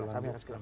kami akan sekitar